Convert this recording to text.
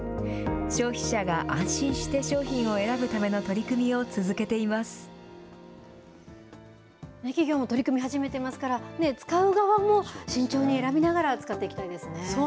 消費者が安心して商品を選ぶための取り組みを企業も取り組み始めていますから使う側も慎重に選びながら使っていきたいですね。